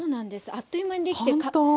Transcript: あっという間にできて簡単。